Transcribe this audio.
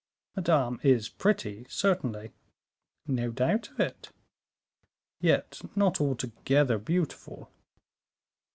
'" "Madame is pretty, certainly." "No doubt of it." "Yet not altogether beautiful."